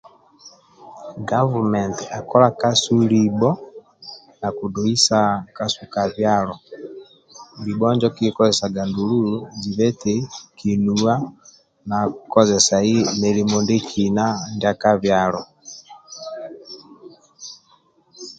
Gavumenti akola kasu libho nakidoisa kasu ka byalo libho injo kikikozesaga ndulu zibe eti kinuwa na kozessi milimo ndietolo ka byalo